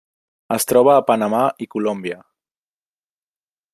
Es troba a Panamà i Colòmbia.